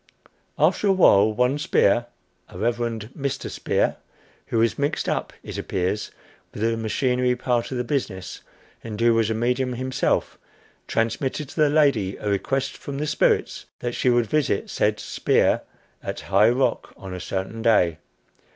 After a while, one Spear a "Reverend Mr. Spear" who was mixed up, it appears, with the machinery part of the business, and who was a medium himself, transmitted to the lady a request from the spirits that she would visit said Spear at High Rock on a certain day.